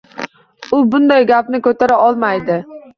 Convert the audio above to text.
U bunday gapni ko'tara olmaydi.